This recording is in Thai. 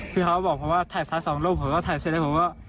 พี่เขาก็บอกผมว่าถ่ายซ้ายสองรูปผมก็ถ่ายเสร็จแล้วผมก็